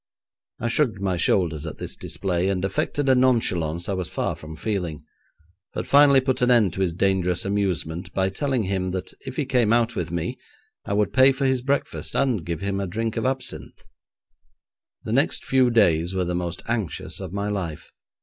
I shrugged my shoulders at this display, and affected a nonchalance I was far from feeling, but finally put an end to his dangerous amusement by telling him that if he came out with me I would pay for his breakfast, and give him a drink of absinthe. The next few days were the most anxious of my life.